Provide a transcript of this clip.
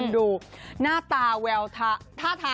คุณดูหน้าตาแววถ่าถ้าถาม